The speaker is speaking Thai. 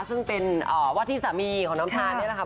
ซึ่งเป็นวัตถีสามีของน้ำฉา